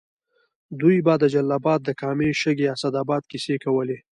دوی به د جلال اباد د کامې، شګۍ، اسداباد کیسې کولې.